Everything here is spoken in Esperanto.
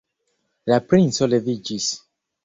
La princo leviĝis.